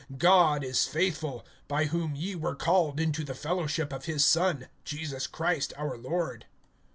(9)God is faithful, by whom ye were called into the fellowship of his Son, Jesus Christ our Lord.